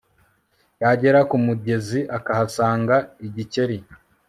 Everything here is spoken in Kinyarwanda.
yagera ku mugezi akahasanga igikeri